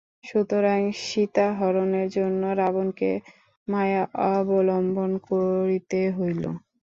সুতরাং সীতাহরণের জন্য রাবণকে মায়া অবলম্বন করিতে হইল।